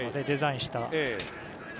デザインした。